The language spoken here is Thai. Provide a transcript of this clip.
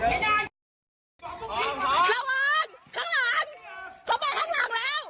ไม่ได้